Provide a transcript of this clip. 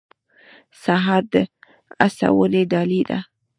سهار د هڅونې ډالۍ ده.